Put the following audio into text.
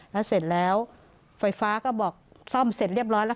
แล้วเสร็จแล้วไฟฟ้าก็บอกซ่อมเสร็จเรียบร้อยแล้ว